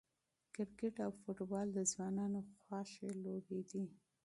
کرکټ او فوټبال د ځوانانو خوښې لوبې دي.